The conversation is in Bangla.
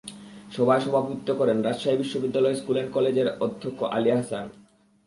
সভায় সভাপতিত্ব করেন রাজশাহী বিশ্ববিদ্যালয় স্কুল অ্যান্ড কলেজের অধ্যক্ষ মোহাম্মদ আলী আহসান।